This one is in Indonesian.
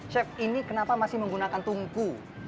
chef ini kenapa masih menggunakan tungku